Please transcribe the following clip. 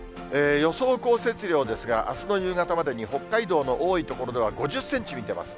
予想降雪量ですが、あすの夕方までに、北海道の多い所では５０センチ見てます。